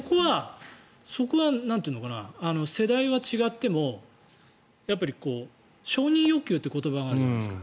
そこは世代は違っても承認欲求という言葉があるじゃないですか。